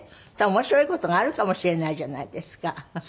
面白い事があるかもしれないじゃないですか。